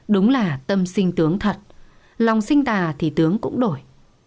đúng là tâm sinh tướng thật lòng sinh tà thì tướng cũng đổi